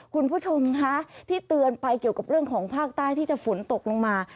คุณผู้ชมคะที่เตือนไปเกี่ยวกับเรื่องของภาคใต้ที่จะฝนตกลงมา